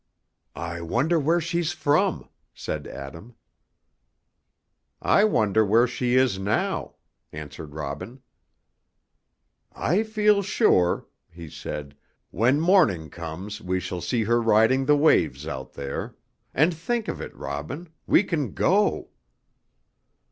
"I wonder where's she from?" said Adam. "I wonder where she is now," answered Robin. "I feel sure," he said, "when morning comes we shall see her riding the waves out there; and think of it, Robin, we can go!"